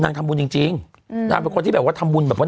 ทำบุญจริงจริงอืมนางเป็นคนที่แบบว่าทำบุญแบบว่า